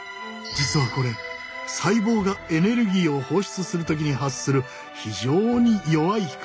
実はこれ細胞がエネルギーを放出する時に発する非常に弱い光をとらえているのだ。